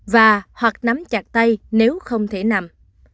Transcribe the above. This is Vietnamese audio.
và hoặc nắm chặt tay nếu không thể nằm